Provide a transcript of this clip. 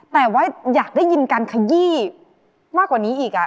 แต่ว่าอยากได้ยินการขยี้มากกว่านี้อีก